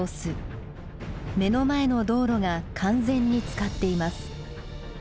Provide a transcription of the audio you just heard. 目の前の道路が完全につかっています。